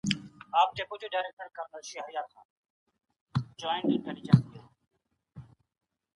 نظام د یو بل قوم لخوا ماتیږي.